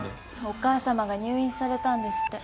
お母さまが入院されたんですって。